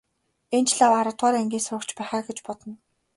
Энэ ч лав аравдугаар ангийн сурагч байх аа гэж байна.